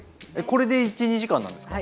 これで１２時間なんですか？